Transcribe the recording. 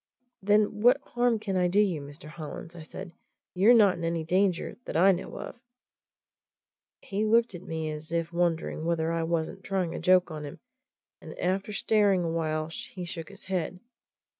"Then what harm can I do you, Mr. Hollins?" I asked. "You're not in any danger that I know of." He looked at me as if wondering whether I wasn't trying a joke on him, and after staring a while he shook his head.